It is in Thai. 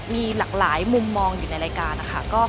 มีหลากหลายมุมมองอยู่ในรายการนะคะ